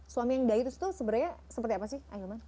suami yang dayuts itu sebenarnya seperti apa sih